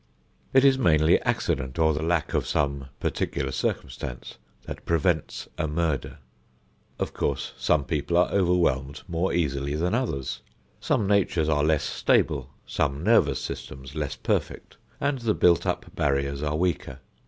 It is mainly accident or the lack of some particular circumstance that prevents a murder. Of course some people are overwhelmed more easily than others. Some natures are less stable, some nervous systems less perfect, and the built up barriers are weaker.